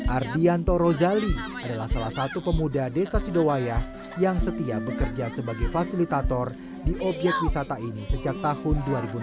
ardianto rozali adalah salah satu pemuda desa sidowaya yang setia bekerja sebagai fasilitator di obyek wisata ini sejak tahun dua ribu enam belas